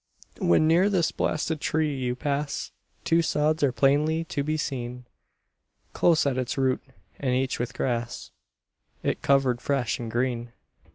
When near this blasted tree you pass, Two sods are plainly to be seen Close at its root, and each with grass Is cover'd fresh and green.